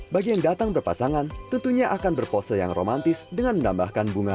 bagi yang datang berpasangan tentunya akan berpose yang romantis dengan menambahkan bunga